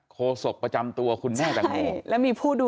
โคศกประจำตัวคุณแม่เติมโม